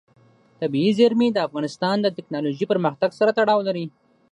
طبیعي زیرمې د افغانستان د تکنالوژۍ پرمختګ سره تړاو لري.